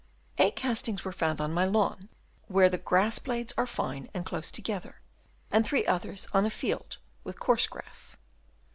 Eight castings were found on my lawn, where the grass blades are fine and close together, and three others on a field with coarse grass.